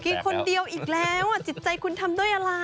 คนเดียวอีกแล้วจิตใจคุณทำด้วยอะไร